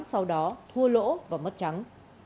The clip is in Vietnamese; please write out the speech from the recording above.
sau đó thua lỗ và mất trắng